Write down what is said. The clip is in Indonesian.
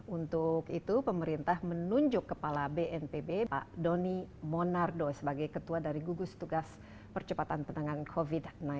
untuk itu pemerintah menunjuk kepala bnpb pak doni monardo sebagai ketua dari gugus tugas percepatan penanganan covid sembilan belas